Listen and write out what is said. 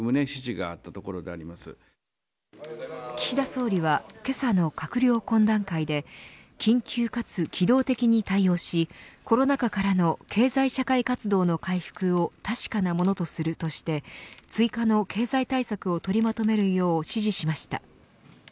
岸田総理はけさの閣僚懇談会で緊急かつ機動的に対応しコロナ禍からの経済社会活動の回復を確かなものとするとして追加の経済対策を取りまとめるよう指示しました。